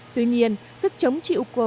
tuy nhiên sức chống chịu của